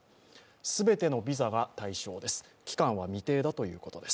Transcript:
全てのビザが対象です。